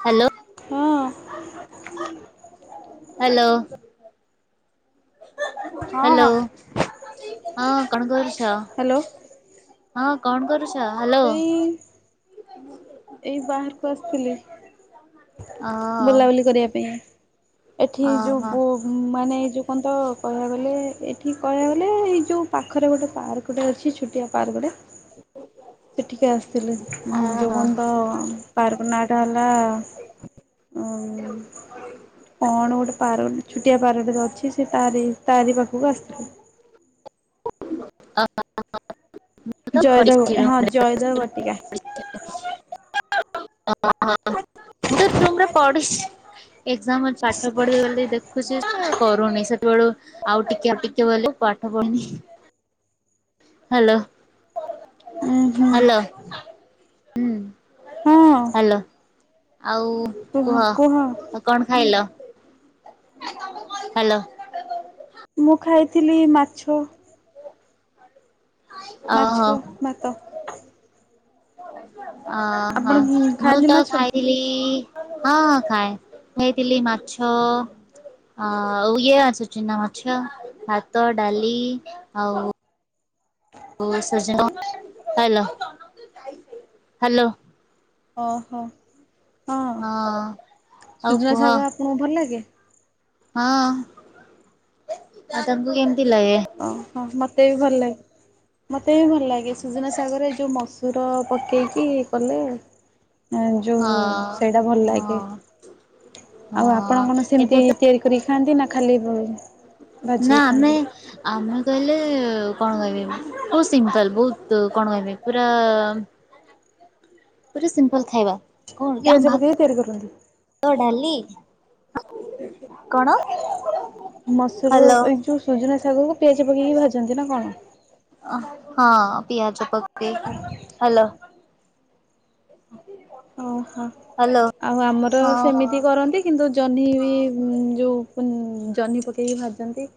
Hello hello. ହଁ। Hello ହଁ କଣ କରୁଚ। ହ୍ୟାଲୋ ହଁ କଣ କରୁଛ ହାଲୋ। ଏଇ ଏଇ ବାହାରକୁ ଆସିଥିଲି ବୁଲାବୁଲି କରିବା ପାଇଁ। ଏଠି ଓହୋ ଯୋଉ ମାନେ ଏ ଯୋଉ କଣ ତ କହିବାକୁ ଗଲେ ଏଇଠି କହିବାକୁ ଗଲେ ଏଇ ଯୋଉ ପାଖରେ ଗୋଟେ ପାର୍କଟେ ଅଛି ଛୋଟିଆ ପାର୍କଟେ। ସେଠିକି ଆସିଥିଲେ ଯଉ ଓହୋ କଣ ମୁଁ ହଁ ପାର୍କ ନା ଟା ହେଲା ଅ କଣ ଗୋଟେ ପାର୍କଟେ ଛୋଟିଆ ପାର୍କ ଟେ ତ ଅଛି ସେ ତାରି ତାରି ପାଖକୁ ଆସିଥିଲେ। [unintelligible] ମୁଁ ତ ଜୟଦେବ ହଁ ଜୟଦେବ ବଟିକା ରୁମରେ ପଢୁଛି। ଏକ୍ଜାମ ପାଠ ପଢିବି ବୋଲି ଦେଖୁଛି କରୁନି ସେ ବେଳୁ ଆଉ ଟିକେ ଟିକେ ବୋଲି ପାଠ ପଢୁନି। ହାଲୋ ଉଁ ହୁଁ ହାଲୋ ହୁଁ। ହଁ ହଲୋ ଆଉ। କୁହ କୁହ। କଣ ଖାଇଲ ହାଲୋ। ମୁଁ ଖାଇଥିଲି ମାଛ। ଓହୋ ମାଛ ଭାତ। ଅ ହ ଆପଣ ମୁଁ ଖାଆନ୍ତି ତ ମାଛ? ଖାଇଥିଲି ହଁ ଖାଏ ଖାଇଥିଲି ମାଛ। ଅ ଆଉ ଇଏ ଅସୁ ଚିହ୍ନା ମାଛ ଭାତ ଡାଲି ଆଉ [unintelligible] ହ୍ୟାଲୋ ହ୍ୟାଲୋ ଓହୋ ହଁ ଆଉ ସୁଜନା କୁହ ଶାଗ ଆପଣଙ୍କୁ ଭଲ ଲାଗେ? ହଁ ଆଉ ତମକୁ କେମତି ଲାଗେ? ମତେ ବି ଭଲ ଲାଗେ। ମୋତେ ବି ଭଲ ଲାଗେ ସୁଜନା ଶାଗ ରେ ଯଉ ମସୁର ପକେଇକି କଲେ ଆ ଯୋଉ ହଁ ସେଇଟା ଭଲ ହଁ ଲାଗେ। ହଁ ଆଉ ଆପଣ କଣ ଏବେ ସେମିତି ତ ତିଆରି କରିକି ଖାଆନ୍ତି ନା ଖାଲି ନା ଭାଜିକି ଆମେ ଖାଆନ୍ତି? ଆମେ କହିଲେ କଣ କହିବି ବହୁତ ସିମ୍ପଲ ବହୁତ କଣ କହିବି ପୁରା ପୁରା ସିମ୍ପଲ ଖାଇବା ପିଆଜ [unintelligible] ପକେଇକି ତିଆରି କରନ୍ତି? ଭାତ ଡାଲି ମସୁର ହ୍ୟାଲୋ ଏଇ ଯୋଉ ସୁଜନା ଶାଗ କୁ ପିଆଜ ପକେଇକି ଭାଜନ୍ତି ନା କଣ? ହଁ ପିଆଜ ପକେଇକି ହାଲୋ ଓହୋ ହ୍ୟାଲୋ ଆଉ ଆମର ହଁ ସେମିତି କରନ୍ତି। କିନ୍ତୁ ଜହ୍ନି ବି ଯଉ ଜହ୍ନି ପକେଇକି ଭାଜନ୍ତି।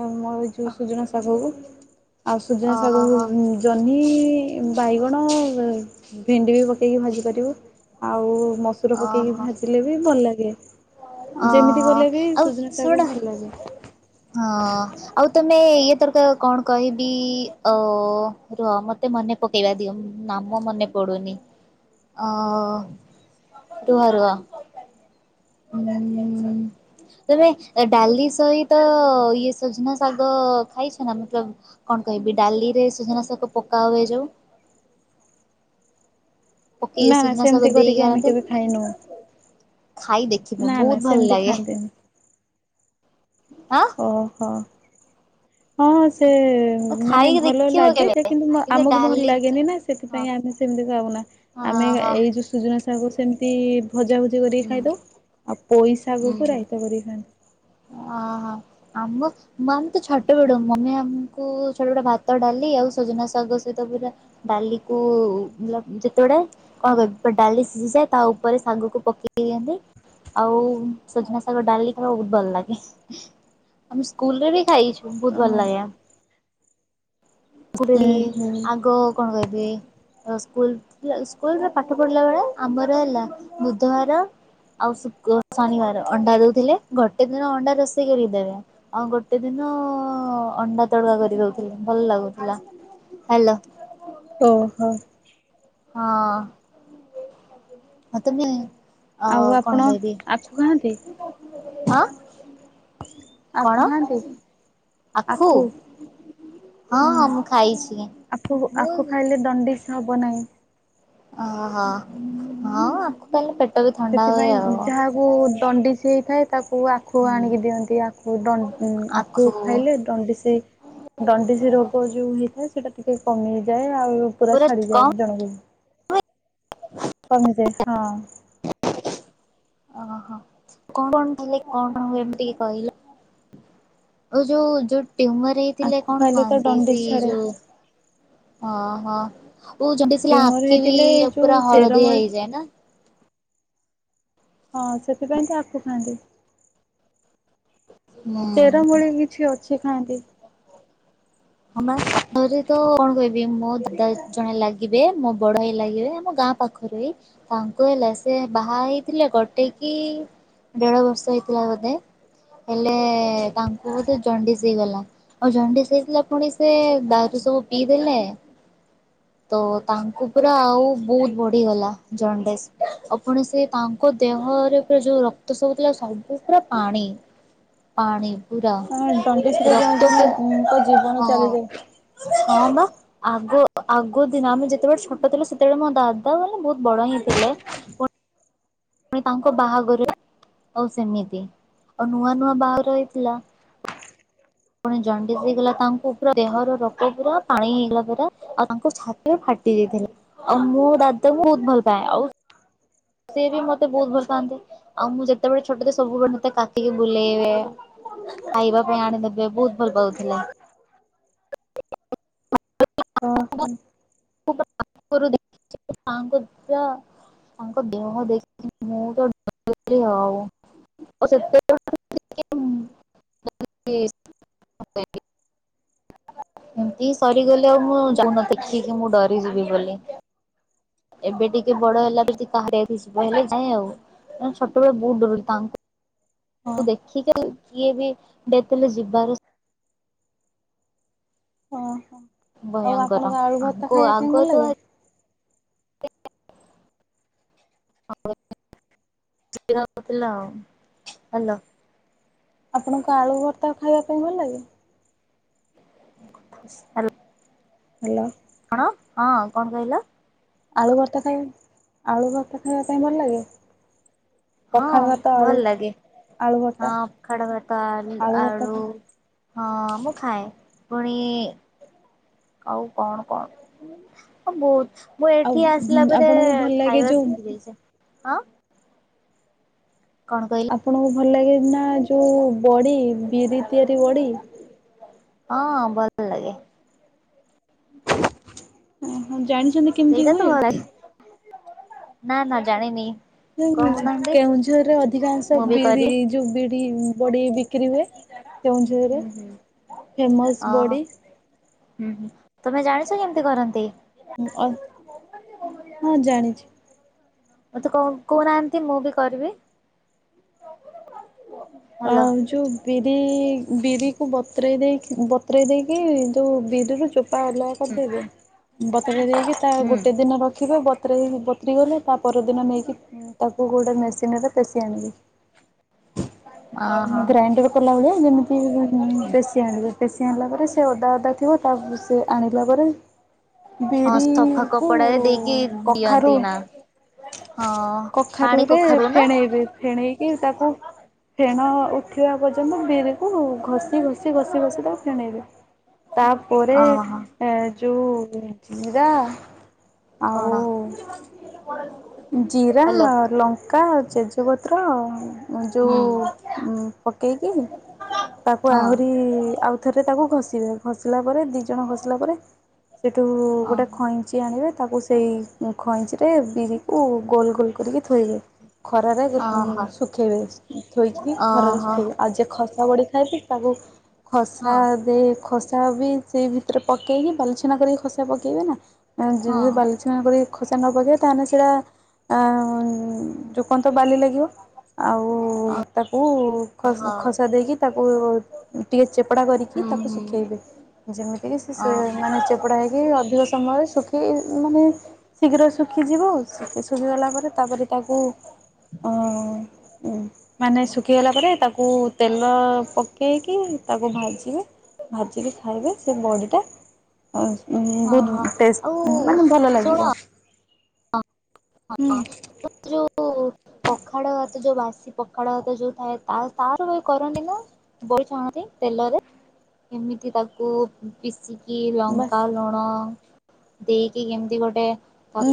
ମୋ ଏଇ ଯୋଉ ସୁଜୁନା ଶାଗକୁ ଆଉ ସୁଜୁନା ଶାଗକୁ। ଓହୋ ଜହ୍ନି ବାଇଗଣ ଭେଣ୍ଡି ବି ପକେଇକି ଭାଜିପାରିବେ। ଆଉ ମସୁର ପକେଇକି ଓହୋ ଭାଜିଲେ ବି ଭଲ ଲାଗେ। ଯେମିତି ଓହୋ କଲେ ବି ଆଉ ସୁଜନା ଶାଗକୁ ଶୁଣ ଭଲ ଲାଗେ। ହଁ ଆଉ ତମେ ଇଏ ତରକାର କଣ କହିବି ଅ ରୁହ ମତେ ମନେ ପକେଇବା ଦିଅ ନାମ ମନେ ପଡ଼ୁନି ରୁହ ରୁହ ଉଁ ତମେ ଡାଲି ସହିତ ଇଏ ସଜନା ଶାଗ ଖାଇଛ ନା ମତଲବ କଣ କହିବି ଡାଲିରେ ସୁଜନା ଶାଗ ପକା ହୁଏ ଯୋଉ ପକେଇ ନା ନା ସୁଜନା ଶାଗ ସେମିତି ଦେଇକି କରିକି ଆମେ ଖାଆନ୍ତେ କେବେ ଖାଇନୁ। ଖାଇ ଦେଖିବ ନା ବହୁତ ନା ଭଲ ସେମିତି ଲାଗେ। ଖାଆନ୍ତିନି। ହଁ। ଓହୋ ହଁ ସେ ମାନେ ଖାଇକି ଭଲ ଦେଖିବ ଲାଗେ କେବେ ଯେ କିନ୍ତୁ ଆମକୁ ଭଲ ଡାଲି ଲାଗେନି ନା ହଁ ସେଥିପାଇଁ ଆମେ ସେମିତି ଖଉନା ହଁ ଆମେ ହଁ ଏଇ ଯୋଉ ସୁଜୁନା ଶାଗ ସେମିତି ଭଜା ଭୁଜି କରିକି ହୁଁ ଖାଇଦଉ। ଆଉ ପୋଇ ହୁଁ ଶାଗକୁ ହୁଁ ରାଇତା କରିକି ଖାଆନ୍ତି। ଓହୋ ଆମ ମ ଆମେ ତ ଛଟ ବେଳୁ ମମି ଆମକୁ ଛୋଟ ବଡ ଭାତଡାଲି ଆଉ ସଜନା ଶାଗ ସହିତ ପୁରା ଡାଲି କୁ ଲ ଯେତେବେଡେ କଣ କହିବି, ପୁରା ଡାଲି ସିଝିଯାଏ ତା ଉପରେ ସାଗ କୁ ପକେଇ ଦିଅନ୍ତି। ଆଉ ସୂଜୁନା ଶାଗ ଡାଲି ଖାଇବୁ ଭଲ ଲାଗେ, ଆମେ ସ୍କୁଲରେ ବି ଖାଇଛୁ, ବହୁତ ଭଲ ଲାଗେ। ଉଁ ପୁରି ହୁଁ। ଆଗ କଣ କହିବି? ସ୍କୁଲ ସ୍କୁଲରେ ପାଠ ପଢ଼ିଲା ବେଳେ, ଆମର ହେଲା ବୁଧବାର ଆଉ ଶୁକ୍ର, ଶନିବାର ଅଣ୍ଡା ଦଉଥିଲେ, ଗୋଟେ ଦିନ ଅଣ୍ଡା ରୋଷେଇ କରିକି ଦେବେ। ଆଉ ଗୋଟେ ଦିନ ଅଣ୍ଡା ତଡ଼କା କରିକି ଦଉଥିଲେ ଭଲ ଲାଗୁଥିଲା। ହ୍ୟାଲୋ ଓହୋ! ହଁ! ଆ ତମେ ଆଉ କଣ କହିବି? ଆଛ କୁହନ୍ତି। ହଁ ଆଉ କଣ କୁହନ୍ତୁ। ଆଖୁ, ହଁ ହୁଁ! ହଁ ମୁଁ ଖାଇଛି। ଆଖୁ, ମୁଁ ଆଖୁ ଖାଇଲେ ଦଣ୍ଡିସ ହବ ନାହିଁ। ଓହୋ ହଁ, ଆକୁ ଖାଇଲେ ପେଟ ବି ଥଣ୍ଡା ହୁଏ ଆଉ। ଓ ଦଣ୍ଡିସିି ହେଇଥାଏ ତାକୁ ଆଖ୍ ଖୁ ହୁଁ ଆଣିକି ଦିଅନ୍ତି, ଆଖୁ ଦଡ ଆଖୁ ଖାଇଲେ ଡଣ୍ଡିସି ଡଣ୍ଡିସି ରୋଗ ଯୋଉ ହେଇଥାଏ ସେଇଟା ଟିକେ କମିଯାଏ, ଆଉ ପୁରା ଛାଡ଼ିଯାଏ ଜଣକୁ। କମିଯାଏ, ହଁ। ଓହୋ, କଣ କଲେ କଣ ହୁଏ ଟିକେ କହିଲେ? ଓ ଯଉ, ଯଉ ଟ୍ୟୁମର ପିଇଥିଲେ ଥିଲେ ଆଖୁ କଣ ଖାଇଲେ ତ ଖାଆନ୍ତି ସେଇ ଦଣ୍ଡିସି ଛାଡେ। ଯୋଉ, ହଁ-ହଁ ଓ ଜଣ୍ଡିସ ହେଲେ ଟ୍ୟୁମର ଆଖି ବି ହେଇଥିଲେ ଏ ଯୋଉ ପୁରା ହଳଦିଆ ଚେରମୂଳି ହେଇଯାଏ ନା? ହଁ, ସେଥିପାଇଁ ତ ଆଖୁ ଖାଆନ୍ତି। ହୁଁ। ଚେରମୂଳି କିଛି ଅଛି ଖାଆନ୍ତି। ହଁ ବା ଥରେ ତ କଣ କହିବି, ମୋ ଦାଦା ଜଣେ ଲାଗିବେ ମୋ ବଡ଼ ଭାଈ ଲାଗିବେ, ଆମ ଗାଁ ପାଖରେ ତାଙ୍କୁ ହେଲା ସେ ବାହା ହେଇଥିଲେ, ଗୋଟେ କି ଦେଢ଼ ବର୍ଷ ହେଇଥିଲା ବୋଧେ ହେଲେ, ତାଙ୍କୁ ବୋଧେ ଜଣ୍ଡିସ୍ ହେଇଗଲା, ଆଉ ଜଣ୍ଡିସ ହେଇଥିଲା ପୁଣି ସେ ଦାରୁ ସବୁ ପିଇଦେଲେ। ତୋ ତାଙ୍କୁ ପୁରା ଆଉ ବହୁତ ବଢିଗଲା ଜଣ୍ଡିସ, ଆଉପୁଣି ସେ ତାଙ୍କ ତାଙ୍କ ଦେହରେ ପୁରା ଯୋଉ ରକ୍ତ ସବୁ ଥିଲା, ସବୁ ପୁରା ପାଣି। ପାଣି ପୁରା, ହଁ ଦଣ୍ଡିସିରେ ରକ୍ତ ଜଣେ ପୁ ଜଣଙ୍କ ଜୀବନ ହଁ। ଚାଲିଯାଏ। ହଁବା ଆଗ ଆଗ ଦିନ ଆମେ ଯେତେବେଳେ ଛୋଟ ଥିଲୁ, ସେତେବେଳେ ମୋ ଦାଦା ମାନେ ବହୁତ ବଡ ହିଁ ଥିଲେ ପୁଣି ତାଙ୍କ ବାହାଘରେ ଆଉ ସେମିତି ଆଉ ନୂଆ ନୂଆ ବାହାଘର ହେଇଥିଲା। ପୁଣି ଜଣ୍ଡିସ ହେଇଗଲା, ତାଙ୍କୁ ପୁରା ଦେହର ରକ୍ତ ପୁରା ପାଣି ହେଇଗଲା ପୁରା। ଆଉ ତାଙ୍କ ଛାତି ଫାଟି ଯାଇଥିଲା ଆଉ ମୁଁ ଦାଦ କୁ ବହୁତ ଭଲ ପାଏ। ଆଉ ସିଏ ବି ମତେ ବହୁତ ଭଲପାଆନ୍ତି, ଆଉ ମୁଁ ଯେତେବେଳେ ଛୋଟ ଥିଲି, ସବୁବେଳେ ମତେ କାଖେଇକି ବୁଲେଇ ବେ। ଖାଇବା ପାଇଁ ଆଣିଦେବେ, ବହୁତ ଭଲ ପାଉଥିଲେ। ଅଁ ହଁ। ସା [inaudible] ତାଙ୍କ ଦେହ ଦେଖି ମୁଁ ତ ଡରିଲି ଆଉ। ଓ ସେତ [inaudible] [unintelligible] ଏମିତି ସରିଗଲେ ଆଉ ମୁଁ ଯାଉନ ଦେଖିକି ମୁଁ ଡରିଯିବି ବୋଲି। ଏବେ ଟିକେ ବଡ ହେଲା ପରେ କାହାର ନ ହେଲେ ନାଇ ଆଉ ଛୋଟବେଳେ ବହୁତ ଡର ତାଙ୍କୁ। ହଁ ମୁ ଦେଖିକି କିଏ ବି ଦେଥ ଯିବାର ଓହୋ ଆଉ ଭୟଙ୍କର ଆପଣଙ୍କୁ ଆଳୁ ଆଗ ଭତ୍ତା ଖାଇବା ପାଇଁ ଆଗ ଭଲ ତ ଲାଗେ? ଥିଲା ଆଲ [unintelligible] ଆପଣଙ୍କୁ ଆଳୁ ଭତ୍ତା ଖାଇବା ପାଇଁ ଭଲ ଲାଗେ? ହ୍ୟାଲୋ। ହ୍ୟାଲୋ। କଣ ହଁ, କଣ କହିଲ। ଆଳୁ ଭର୍ତ୍ତା ପାଇଁ ଆଳୁ ଭର୍ତ୍ତା ଖାଇବା ପାଇଁ ଭଲ ଲାଗେ? ହଁ ପଖାଳ ଭାତ ଭଲ ଆଳୁ ଲାଗେ। ଆଳୁ ଭର୍ତ୍ତା ହଁ ପଖାଡ ଭାତ ଆ ଭର୍ତ୍ତା ଖା ଆଳୁ ହଁ ମୁଁ ଖାଏ। ପୁଣି ଆଉ କଣ କଣ ବହୁତ। ମୁଁ ଆଉ ଏଠି ଆସିଲା ପରେ ଆପଣଙ୍କୁ ଭଲ ଲାଗେ ଖାଇବା ଯୋଉ ଶିଖି ଯାଇଛି, ହଁ। କଣ କହିଲେ ଆପଣଙ୍କୁ ଭଲ ଲାଗେ ନା ଯୋଉ ବଡ଼ି, ବିରି ତିଆରି ବଡ଼ି। ହଁ ଭ ଲାଗେ। ଓହୋ ଜାଣ ସେଇଟା ତ ଭଲ ଲାଗେ, ନା ନା ଜାଣିନି। [unintelligible] କହୁନାହାନ୍ତି କେଉଁଝରରେ ଅଧିକାଂଶ ମୁଁ ବି ବିରି କରିବି। ଏ ଯୋଉ ବିଡି ବଡ଼ି ବି କ୍ରି ହୁଏ କେଉଁଝରେ ହୁଁ ହୁଁ ଫେମସ୍ ଓହୋ ବଡ଼ି। ହୁଁ ହୁଁ ତମେ ଜାଣିଛ କେମିତି କରନ୍ତି? ଅ ହଁ ଜାଣିଚି। ମତେ କ କହୁ ନାହାନ୍ତି ମୁଁ ବି କରିବି। ହ୍ୟାଲୋ ହଁ ଯଉ ବିରି ବିରିକୁ ବତୁରେଇ ଦେଇକି ବତୁରେଇ ଦେଇକି ଯେଉଁ ବିରିରୁ ଚୋପା ହେଲା କରିଦେଇବେ ବତ୍ର ଦେଇକି ତା ହୁଁ। ଗୋଟେ ଦିନ ରଖିବେ ବତରେଇ ବତୁରି ଗଲେ ତା ପରଦିନ ନେଇକି ତାକୁ ଗୋଟେ ମେସିନ ରେ ପେଶି ଆଣିବେ। ଓହୋ ଗ୍ରାଇଣ୍ଡ କଲା ଭଳିଆ ଯେମିତି ପେଶି ଆଣିବେ। ପେଶି ଆଣିଲା ପରେ ସେ ଅଦା ଅଦା ଥିବ ତାପ ସେ ଆଣିଲ ପରେ ହଁ ବିରି ସଫା କୁ କପଡାରେ ଦେଇକି ଦିଅନ୍ତି କଖାରୁ ନା। ହଁ ପାଣି କଖାରୁରେ କଖାରୁ ନା ଫେଣେଇବେ। ଫେଣେଇକି ତାକୁ ଫେଣ ଉଠିବା ପର୍ଯ୍ୟନ୍ତ ବିରିକୁ ଘଷି ଘଷି ଘଷି ଘଷି ତାକୁ ଫେଣେଇବେ। ତାପରେ ଓହୋ ଏ ଯୋଉ ଜିରା ଆଉ କଣ? ଜିରା, ହ୍ୟାଲୋ ଲଙ୍କା, ତେଜୁପତ୍ର ହୁଁ ଯେଉଁ ଉଁ ପକେଇକି ତାକୁ ହଁ। ଆହୁରି ଆଉ ଥରେ ତାକୁ ଘଷିବେ। ଘଷିଲା ପରେ ଦି ଜଣ ଘଷିଲା ପରେ ସେଇଠୁ ଅ ଗୋଟେ ଖଇଁଚି ଆଣିବେ। ତାକୁ ସେଇ ଖଇଁଚିରେ ବିରି କ ଗୋଲ ଗୋଲ କରିକି ଥୋଇବେ ଖରାରେ ଓହୋ ଶୁଖାଇବେ। ଥୋଇକି ଖରାରେ ଓହୋ ଶୁଖେଇବେ। ଆଉ ଯେ ଖସା ବ଼ଡ଼ି ଖାଇବେ ତାକୁ ହଁ ଖସା ଦେଇ ଖସା ବି ସେଇ ଭିତରେ ପକେଇକି ବାଲିଛନା କରିକି ଖସା ପକେଇବେ ନା ମ ହଁ ଯଦି ବା କରି ଖସା ନପକେଇବେ ତାହେନେ ସେଇଟା ଆ ଯୋଉ କନତ ବାଲି ଲାଗିବ। ଆଉ ତାକୁ ଖସ ହଁ ଖସା ଦେଇକି ତାକୁ ଟିକେ ଚେପଡା କରିକି ହୁଁ ତାକୁ ହୁଁ ଶୁଖେଇବେ। ଯେମିତିକ ସେ ଓହୋ [unintelligible] ଚେପଡ଼ା ହେଇକି ଅଧିକ ସମୟରେ ଶୁଖି ମାନେ ଶୀଘ୍ର ଶୁଖିଯିବ ଆଉ। ଶୁଖି ଶୁଖିଗଲା ପରେ ତାପରେ ତାକୁ ଅ ଉ ମାନେ ଶୁଖିଗଲା ପରେ ତାକୁ ତେଲ ପକ ପକେଇକି ତାକୁ ଭାଜିବେ, ଭାଜିକି ଖାଇବେ ସେ ବଡ଼ିଟା ଆ ହୁ ଓହୋ ବହୁତ ଆଉ ଟେଷ୍ଟ ମାନେ ଭଲ ଲାଗିବ। ହୁଁ ହଁ ଯଉ ପଖାଳ ଭାତ ଯୋଉ ବାସି ପଖାଳ ଭାତ ଯୋଉ ଥାଏ ତା ତାର ବି କରନ୍ତି ନା? ବଡ଼ି ଛାଣନ୍ତି ତେଲରେ ଏମିତି ତାକୁ ପିଶିକି ବାସ୍ ଲଙ୍କା ଲୁଣ ଦେଇକି କେମିତି ଗୋଟେ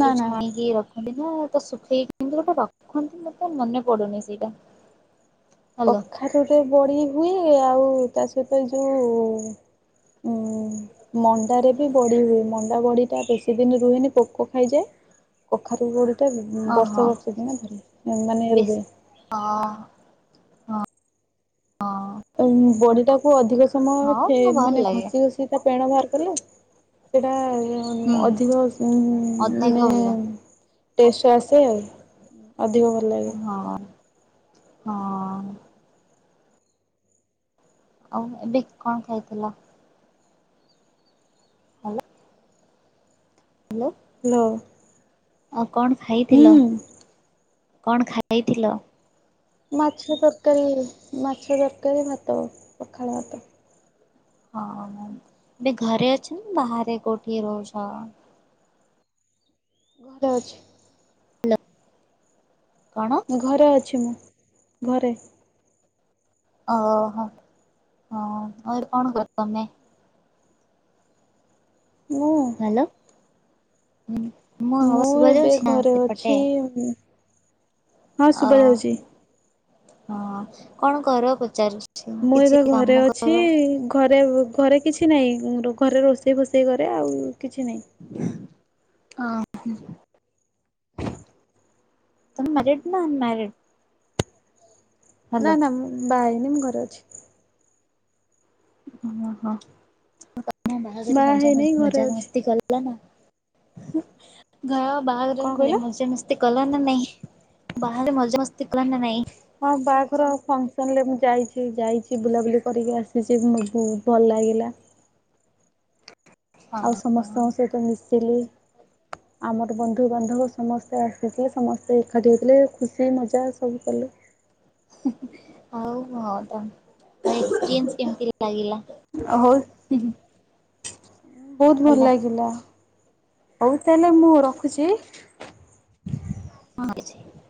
ନା ନା ଛାଣିକି ରଖନ୍ତି ନା, ତ ଶୁଖେଇକି କେମିତି ଗୋଟେ ରଖନ୍ତି ମତେ ମନେ ପଡୁନି ସେଇଟା। ହ୍ୟାଲୋ କଖାରୁ ରେ ବଡ଼ି ହୁଏ। ଆଉ ତା ସହିତ ଏ ଯୋଉ ଉଁ [inaudible] ମଣ୍ଡାରେ ବି ବଡ଼ି ହୁଏ। ମଣ୍ଡା ବଡି ଟା ବେଶୀ ଦିନ ରୁହେନି ପୋକ ଖାଇଯାଏ। କଖାରୁ ବଡ଼ି ଟା ଓହୋ ବର୍ଷ ବର୍ଷ ଦିନ ଧରି ମାନେ ବେଶ ରୁହେ। ହଁ। ହଁ। ଉ ବଡି ଟାକୁ ଅଧିକ ସମୟ ହଁ ଫେ ମୁଁ ଭଲ ମାନେ ଲାଗେ ଘଷି ଘ ସି ତା ପେଣ ବାହାର କଲେ ସେଟା ହୁଁ ଅ ଅଧିକ ସ ଅଧିକ ମାନେ ଭଲ ଟେଷ୍ଟ ଆସେ ଅଧିକ ଭ ହଁ ହଁ। ଆଉ ଏବେ କଣ ଖାଇଥିଲ? ହ୍ୟାଲୋ। ହ୍ୟାଲୋ। ହାଲୋ। ଆଉ କଣ ଖାଇଥିଲ, କଣ ଖାଇଥିଲ? ମାଛ ତରକାରୀ, ମାଛ ତରକାରୀ ଭାତ ପଖାଳ ଭାତ। ହଁ ଏବେ ଘରେ ଅଛ ନା ବାହାରେ କୋଉଠି ରହୁଛ। ଘରେ ଅଛି। କଣ। ଘରେ ଅଛି ମୁଁ ଘରେ। ଓହୋ ହ ଆଉ କଣ କର ତମେ। ମୁଁ। ହ୍ୟାଲୋ ମୋ ଆବାଜ ଶୁଭା ଯାଉଛି ନା ସେପଟେ। ହୁଁ। ଓ ହଁ କଣ କର ପଚାରୁ ମୁଁ ଏବେ ଘରେ ଅଛି। ଘରେ ଘରେ କିଛି ନାହିଁ, ଘରେ ରୋଷେଇ ଫୋଷେଇ କରେ ଆଉ କିଛି ନାହିଁ। ହଁ। [unintelligible] ତମେ ମ୍ୟାରଡ ନା ଅନମ୍ୟାରଡ? ନା ନା ମୁଁ ବା ହେଇନି ମୁଁ ଘରେ ଅଛି। ଓ ହୋ କ ବାହାଘ ବାହା ମଜା ହେଇନାହିଁ ଘରେ ମଜା ଅଛି ମସ୍ତି କଲ। ହେଲା ନା [unintelligible] ବାହାଘର ରେ କଣ କହିଲ? ମଜା ମସ୍ କଲ ନା ନାଇଁ ବାହାରେ ମଜା ମସ୍ତି କ ନା ନାଇଁ। ହଁ ବାହାଘର ଫଙ୍କସନ ରେ ମୁଁ ଯାଇଛି, ଯାଇଛି ବୁଲାବୁଲି କରିକି ଆସିଛି ମୋ ବଲ ଲାଗିଲା। ହଁ ଆଉ ସମସ୍ତଙ୍କ ସହିତ ମିଶିଲି। ଆମର ବନ୍ଧୁବାନ୍ଧବ ସମସ୍ତେ ଆସିଥିଲେ, ସମସ୍ତେ ଏକାଠି ହେଇଥିଲେ ଖୁସି ମଜା ସବୁ କଲେ। ହଉ ହଉ ତା ହେନେ ଏଇ ଜିନ୍ସ କେମିତି ଲାଗିଲା। ଆ ହଉ ବହୁତ ଭଲ ହେଲା ଲାଗିଲା, ହଉ ତାହେଲେ ମୁଁ ରଖୁଛି। [unintelligible]